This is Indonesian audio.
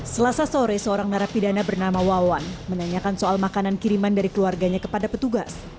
selasa sore seorang narapidana bernama wawan menanyakan soal makanan kiriman dari keluarganya kepada petugas